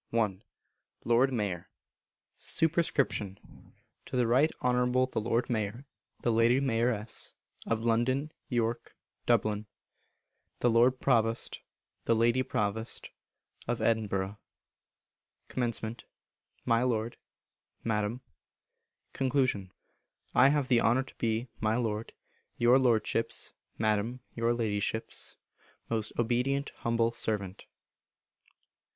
i. Lord Mayor. Sup. To the Right Honourable the Lord Mayor (The Lady Mayoress) of London, York, Dublin; The Lord Provost (The Lady Provost) of Edinburgh. Comm. My Lord (Madam). Con. I have the honour to be, my Lord, Your Lordship's (Madam, Your Ladyship's) most obedient humble servant.